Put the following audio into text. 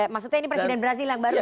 maksudnya ini presiden brazil yang baru ya